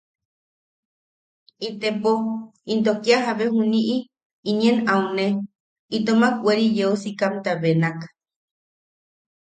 –Itepo, into kia jabe juniʼi, inen aune, itomak weri yeu sikamta benak.